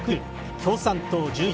共産党、１１。